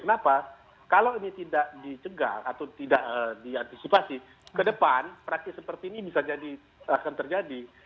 kenapa kalau ini tidak dicegah atau tidak diantisipasi ke depan praktik seperti ini bisa jadi akan terjadi